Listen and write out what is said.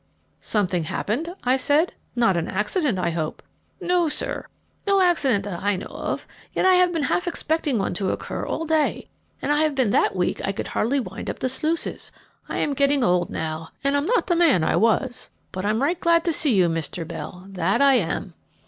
"Something happened?" I said; "not an accident, I hope?" "No, sir, no accident that I know of, and yet I have been half expecting one to occur all day, and I have been that weak I could hardly wind up the sluices. I am getting old now, and I'm not the man I was; but I'm right glad to see you, Mr. Bell, that I am."